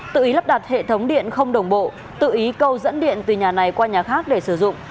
tự ý lắp đặt hệ thống điện không đồng bộ tự ý câu dẫn điện từ nhà này qua nhà khác để sử dụng